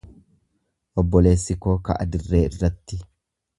Obboleessi koo ka'a dirree irratti.